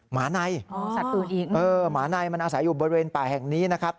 หมานัยหมานัยมันอาศัยอยู่บริเวณป่าแห่งนี้นะครับอ๋อสัตว์ตูดอีก